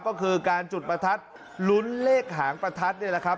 ก็คือการจุดประทัดลุ้นเลขหางประทัดนี่แหละครับ